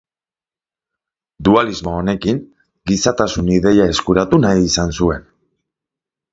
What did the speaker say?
Dualismo honekin, gizatasun ideia eskuratu nahi izan zuen.